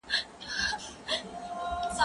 زه به سبا تمرين وکړم،